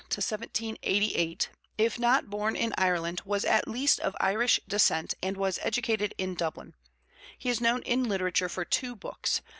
1788), if not born in Ireland, was at least of Irish descent and was educated in Dublin. He is known in literature for two books.